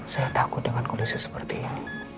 saya takut dengan kondisi seperti ini